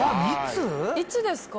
いつですか？